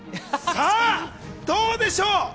さぁ、どうでしょう？